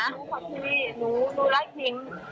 หนูครับพี่หนูรักหญิง